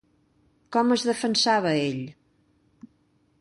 Com es defensava ell?